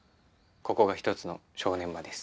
ここが一つの正念場です。